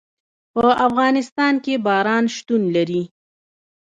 په افغانستان کې باران شتون لري.